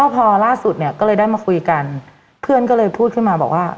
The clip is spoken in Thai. พอล่าสุดเนี่ยก็เลยได้มาคุยกันเพื่อนก็เลยพูดขึ้นมาบอกว่า